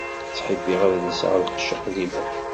Ttḥibbiɣ ad lseɣ lqecc iqdimen.